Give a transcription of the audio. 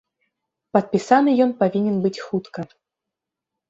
Падпісаны ён павінен быць хутка.